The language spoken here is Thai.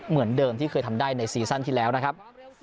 เหมือนเดิมที่เคยทำได้ในซีซั่นที่แล้วนะครับ